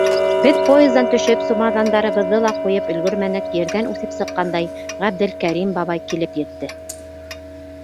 Беҙ поездан төшөп сумаҙандарыбыҙҙы ла ҡуйып өлгөрмәнек, ерҙән үҫеп сыҡҡандай, Ғәбделкәрим бабай килеп етте.